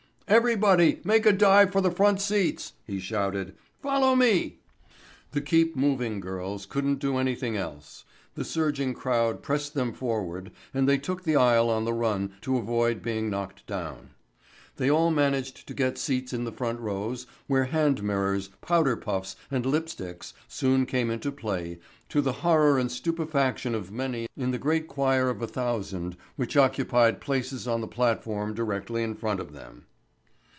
"Everybody make a dive for the front seats," he shouted. "Follow me." The "Keep Moving" girls couldn't do anything else. The surging crowd pressed them forward and they took the aisle on the run to avoid being knocked down. They all managed to get seats in the front rows where hand mirrors, powder puffs and lip sticks soon came into play to the horror and stupefaction of many in the great choir of a thousand which occupied places on the platform directly in front of them.